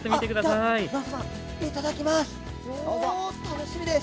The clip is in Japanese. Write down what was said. いただきます。